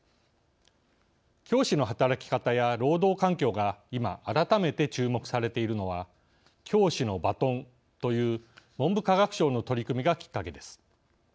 教師の働き方や労働環境が今、改めて注目されているのは♯教師のバトンという文部科学省の取り組みがきっかけです。